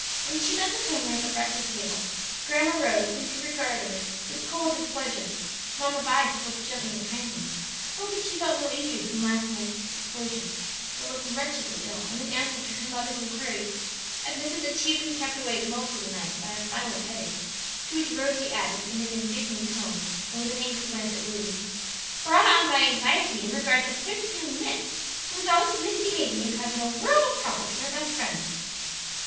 When she met the family at the breakfast table Grandma Rose seemed to regard her with cold displeasure; "Mamma Vi" spoke gently and kindly; hoping she felt no injury from last night's exposure, but looked wretchedly ill; and in answer to her mother's inquiries admitted that she had been kept awake most of the night by a violent headache, to which Rosie added, in an indignant tone, and with an angry glance at Lulu: "Brought on by anxiety in regard to a certain young miss who is always misbehaving and causing a world of trouble to her best friends."